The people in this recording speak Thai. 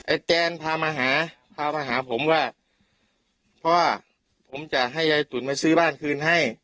แจนพามาหาพามาหาผมว่าพ่อผมจะให้ยายตุ๋นมาซื้อบ้านคืนให้